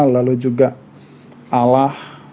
lalu juga allah